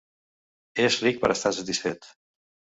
És ric per estar satisfet.